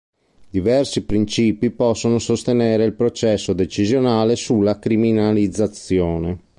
Diversi principi possono sostenere il processo decisionale sulla criminalizzazione.